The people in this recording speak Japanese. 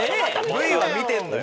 ＶＴＲは見てんのよ。